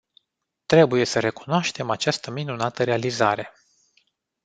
Trebuie să recunoaștem această minunată realizare.